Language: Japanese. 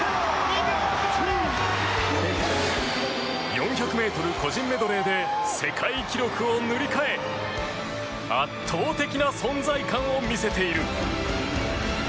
４００ｍ個人メドレーで世界記録を塗り替え圧倒的な存在感を見せている。